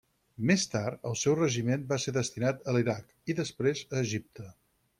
Més tard, el seu regiment va ser destinat a l'Iraq, i després a Egipte.